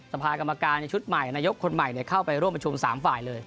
สภากรรมการในชุดใหม่นายกคนใหม่เข้าไปร่วมประชุม๓ฝ่ายเลย